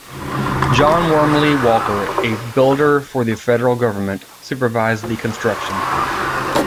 John Wormley Walker, a builder for the Federal Government, supervised the construction.